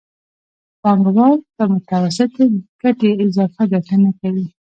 پانګوال په متوسطې ګټې اضافي ګټه نه کوي